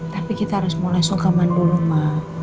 tapi kita harus mulai sungkaman dulu ma